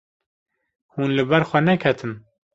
Hûn li ber xwe neketin.